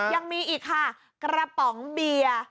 ยังมีอีกค่ะกระป๋องเบียร์